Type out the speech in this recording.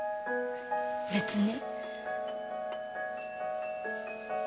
別に。